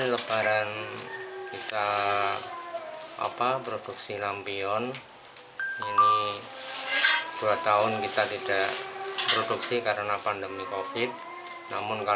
lebaran kita apa produksi lampion ini dua tahun kita tidak produksi karena pandemi kofit namun